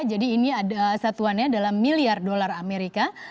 jadi ini satuannya adalah miliar dolar amerika